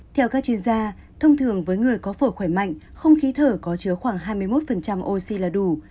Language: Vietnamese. theo các chuyên gia thông thường với người có phổi khỏe mạnh không khí thở có chứa khoảng hai mươi một oxy là đủ